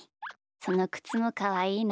そのくつもかわいいな。